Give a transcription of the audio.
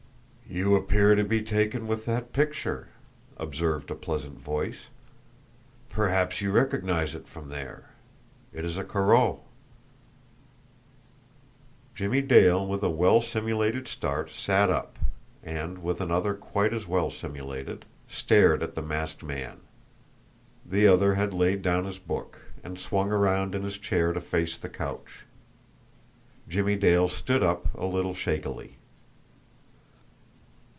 "You appear to be taken with that picture," observed a pleasant voice. "Perhaps you recognise it from there? It is a Corot." Jimmie Dale, with a well simulated start, sat up and, with another quite as well simulated, stared at the masked man. The other had laid down his book, and swung around in his chair to face the couch. Jimmie Dale stood up a little shakily.